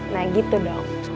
nah gitu dong